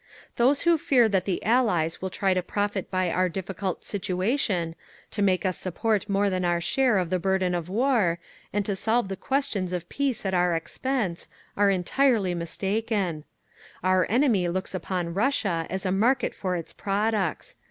"Those who fear that the Allies will try to profit by our difficult situation, to make us support more than our share of the burden of war, and to solve the questions of peace at our expense, are entirely mistaken…. Our enemy looks upon Russia as a market for its products.